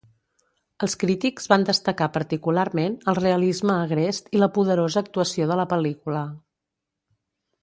Els crítics van destacar particularment el realisme agrest i la poderosa actuació de la pel·lícula.